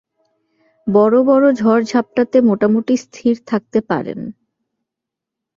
বড় বড় ঝড়ঝাপটাতে মোটামুটি স্থির থাকতে পারেন।